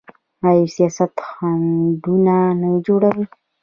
آیا سیاست خنډونه نه جوړوي؟